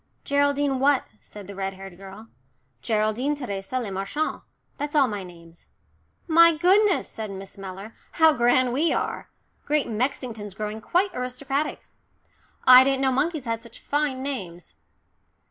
"Geraldine what?" said the red haired girl. "Geraldine Theresa Le Marchant that's all my names." "My goodness," said Miss Mellor, "how grand we are! Great Mexington's growing quite aristocratic. I didn't know monkeys had such fine names."